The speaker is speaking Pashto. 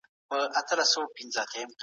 ایا واړه پلورونکي پسته پروسس کوي؟